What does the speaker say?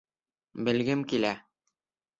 Белгем килә.